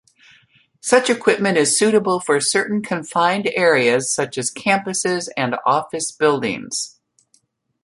Such equipment is suitable for certain confined areas, such as campuses and office buildings.